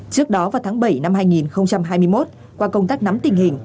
trước đó vào tháng bảy năm hai nghìn hai mươi một qua công tác nắm tình hình